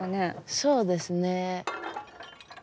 そうですね。